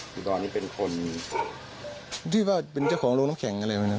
ดูดอนนี้เป็นคนที่เปล่าเป็นเจ้าของโรงแรมแข่งอะไรแบบนั้น